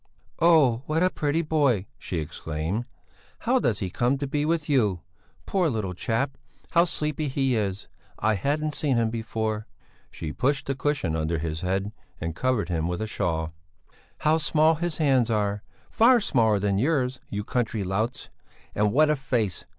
"Oh! what a pretty boy!" she exclaimed. "How does he come to be with you? Poor little chap! How sleepy he is! I hadn't seen him before." She pushed a cushion under his head and covered him with a shawl. "How small his hands are! Far smaller than yours, you country louts! And what a face!